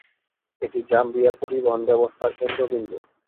এটি জাম্বিয়ার পরিবহন ব্যবস্থার কেন্দ্রবিন্দু।